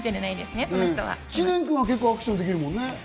知念君は結構、アクションできるもんね。